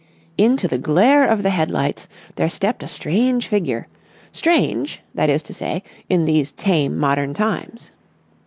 Into the glare of the headlights there stepped a strange figure, strange, that is to say, in these tame modern times.